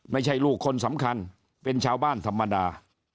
ไม่ใช่ลูกคนสำคัญเป็นชาวบ้านธรรมดา